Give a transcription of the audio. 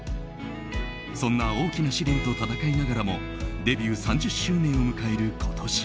そんな大きな試練と闘いながらもデビュー３０周年を迎える今年